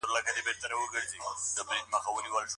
که خویندې اخبار ولولي نو پیښې به ترې نه پټیږي.